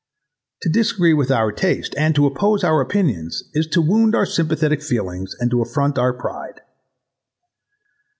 To disagree with our taste [and] to oppose our opinions is to wound our sympathetic feelings and to affront our pride.